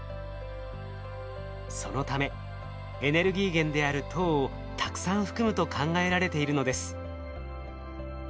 そのためエネルギー源である糖をたくさん含むと考えられているのです。